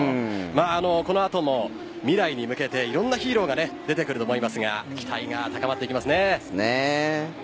この後も未来に向けていろんなヒーローが出てくると思いますが期待が高まっていきますね。